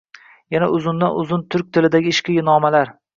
Yana uzundan-uzun turk tilidagi ishqiy nomalar